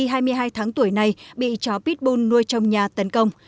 một tuần trước bệnh nhi hai mươi hai tháng tuổi này bị chó pitbull nuôi trong nhà tấn công